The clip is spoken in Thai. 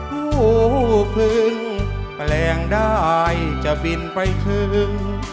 ผู้พึงแปลงได้จะบินไปถึง